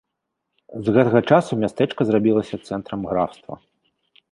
З гэтага часу мястэчка зрабілася цэнтрам графства.